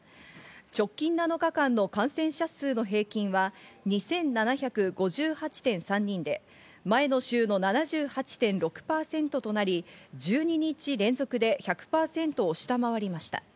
直近７日間の感染者数の平均は２７５８．３人で、前の週の７８．６％となり１２日連続で１００％を下回りました。